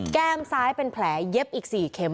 แก้มซ้ายเป็นแผลเย็บอีก๔เข็ม